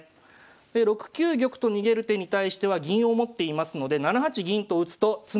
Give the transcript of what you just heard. で６九玉と逃げる手に対しては銀を持っていますので７八銀と打つと詰む形です。